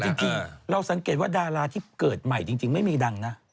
จริงเราสังเกตว่าดาราที่เกิดใหม่จริงไม่มีดังนะ